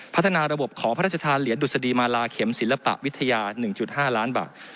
พัฒนาระบบขอพระราชทานเหรียญดุษฎีมาลาเข็มศิลปวิทยา๑๕ล้านบาท